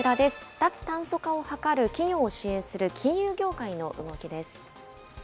脱炭素化を図る企業を支援する金融業界の動きです。